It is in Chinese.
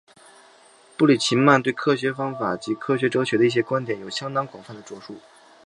布里奇曼对科学方法及科学哲学的一些观点有相当广泛的着述。